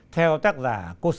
theo tác giả